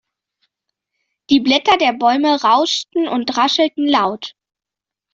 Die Blätter der Bäume rauschten und raschelten laut.